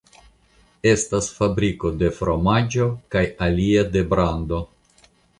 Estas fabriko de fromaĝo kaj alia de brando.